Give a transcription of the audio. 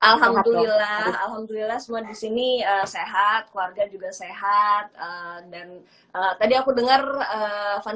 alhamdulillah alhamdulillah semua disini sehat keluarga juga sehat dan tadi aku dengar fani